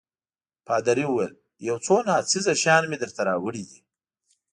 پادري وویل: یو څو ناڅېزه شیان مې درته راوړي دي.